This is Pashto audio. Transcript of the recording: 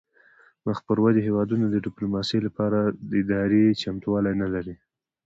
مخ پر ودې هیوادونه د ډیپلوماسي لپاره اداري چمتووالی نلري